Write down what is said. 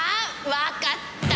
わかった。